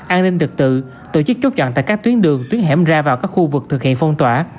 an ninh trực tự tổ chức chốt chặn tại các tuyến đường tuyến hẻm ra vào các khu vực thực hiện phong tỏa